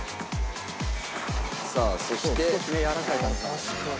「さあそして」